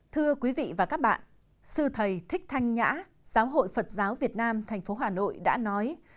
thưa quý vị và các bạn sư thầy thích thanh nhã giáo hội phật giáo việt nam thành phố hà nội đã nói